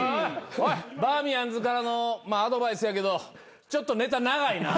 バーミヤンズからのアドバイスやけどちょっとネタ長いな。